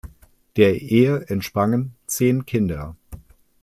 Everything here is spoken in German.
Der Ehe entsprangen zehn Kinder.